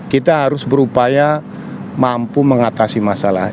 kita harus berupaya mampu mengatasi masalah